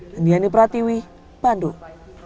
dandiani pratiwi bandung